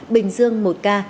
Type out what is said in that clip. bình dương một ca